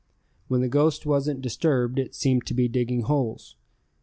When the ghost wasn't disturbed it seemed to be digging holes.